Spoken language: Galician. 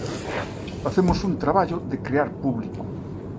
Facemos un traballo de crear público.